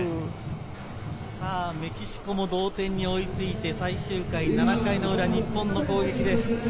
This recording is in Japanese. メキシコも同点に追いついて最終回７回の裏、日本の攻撃です。